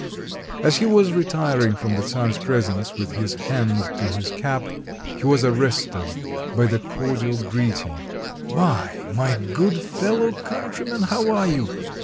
As he was retiring from the czar's presence, with his hand to his cap, he was arrested by the cordial greeting, "Why, my good fellow countryman, how are you?"